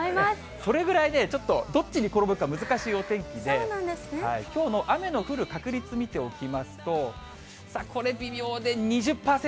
それぐらいね、ちょっと、どっちに転ぶか難しいお天気で、きょうの雨の降る確率見ておきますと、さあ、これ微妙で、２０％。